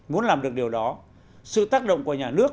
muốn làm được điều đó sự tác động của nhà nước